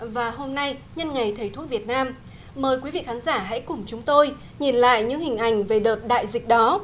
và hôm nay nhân ngày thầy thuốc việt nam mời quý vị khán giả hãy cùng chúng tôi nhìn lại những hình ảnh về đợt đại dịch đó